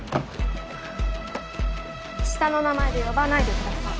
下の名前で呼ばないでください。